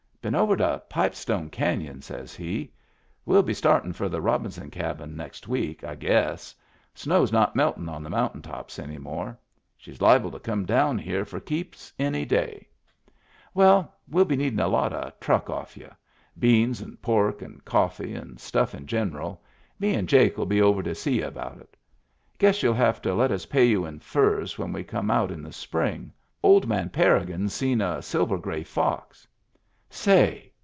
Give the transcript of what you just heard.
" Been over to Pipestone Caiion," says he. " Well be startin* for the Robinson Cabin next week, I guess. Snow's not meltin'on the mountain tops any more. She's liable to come down here for keeps any day. Digitized by Google WHERE IT WAS 249 Well — well be needin' a lot o' truck off you. Beans and pork and coflFee, and stuflF in general — me and Jakell be over to see you about it. Guess youll have to let us pay you in furs when we come out in the spring. Old man Parrigin seen a silver gray iox. Say